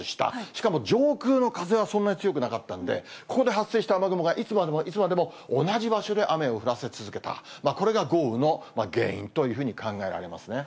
しかも上空の風は、そんなに強くなかったんで、ここで発生した雨雲がいつまでもいつまでも同じ場所で雨を降らせ続けた、これが豪雨の原因というふうに考えられますね。